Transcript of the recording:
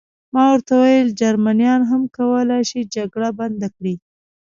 ما ورته وویل: جرمنیان هم کولای شي جګړه بنده کړي.